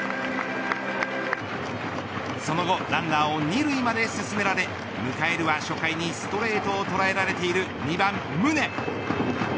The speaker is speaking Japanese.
その後ランナーを２塁まで進められ迎えるは初回にストレートを捉えられている２番、宗。